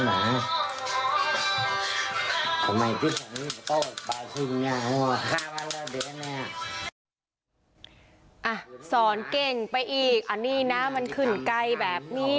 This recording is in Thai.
อ่ะสอนเก่งไปอีกอันนี้นะมันขึ้นไกลแบบนี้